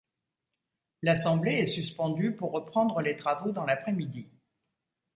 L'assemblée est suspendue pour reprendre les travaux dans l'après-midi.